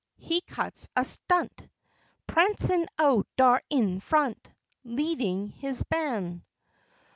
he cuts a stunt, Prancin' out dar in frunt, Leadin' his ban'.